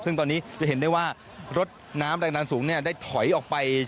ซึ่งตอนนี้จะเห็นได้ว่ารถน้ำแรงดันสูงได้ถอยออกไป